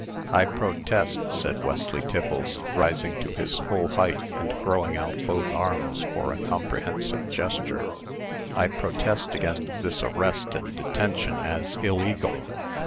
"I protest," said Wesley Tiffles, rising to his full height, and throwing out both arms for a comprehensive gesture, "I protest against this arrest and detention as illegal.